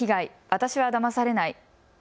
私はだまされない。